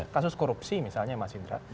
kasus korupsi misalnya mas indra